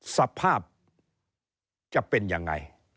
สภาพจะเป็นยังไง